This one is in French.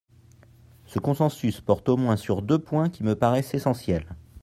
Ce consensus porte au moins sur deux points qui me paraissent essentiels.